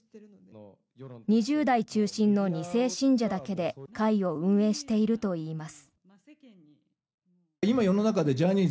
２０代中心の２世信者だけで会を運営しているといいます。